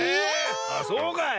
あっそうかい。